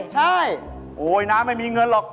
ใช่โอ้โฮไอ้น้าไม่มีเงินหรอก